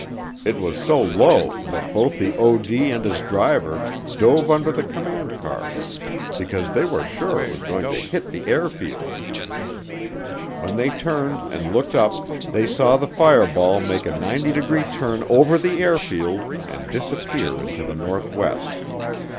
It was so low that both the OD and his driver dove under the command car because they were sure it was going to hit the airfield. When they turned and looked up they saw the fireball make a 90 degree turn over the airfield and disappear into the northwest.